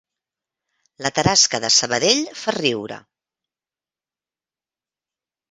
La tarasca de Sabadell fa riure